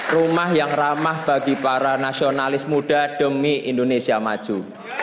rumah yang ramah bagi para nasionalis muda demi indonesia maju